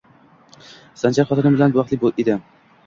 Sanjar xotinin bilan baxtli edi